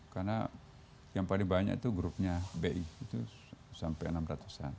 karena yang paling banyak itu grupnya bi itu sampai enam ratusan